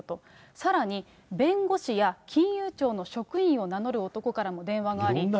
さらに、弁護士や金融庁の職員を名乗る男からも電話があり。